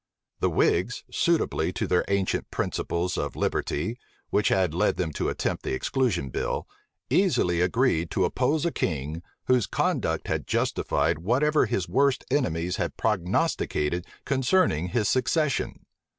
The whigs, suitably to their ancient principles of liberty, which had led them to attempt the exclusion bill, easily agreed to oppose a king, whose conduct had justified whatever his worst enemies had prognosticated concerning his succession.